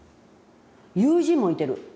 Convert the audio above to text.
友人もいてる。